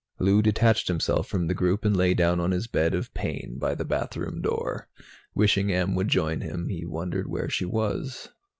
Lou detached himself from the group and lay down on his bed of pain by the bathroom door. Wishing Em would join him, he wondered where she was.